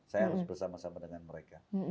saya harus bersama sama dengan mereka